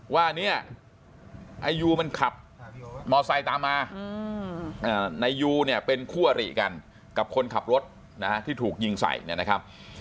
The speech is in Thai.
ว่าเนี่ยไอ้ยูมันขับมอเซ็นต์ตามมาในยูเนี่ยเป็นคู่อริกันกับคนขับรถที่ถูกยิงใส่นะครับ